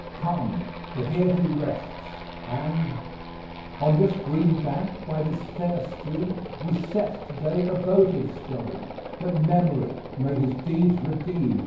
Come, for here he rests, and On this green bank, by this fair stream, We set to day a votive stone, That memory may his deeds redeem?